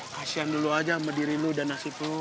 kasihan dulu aja sama diri lo dan nasib lo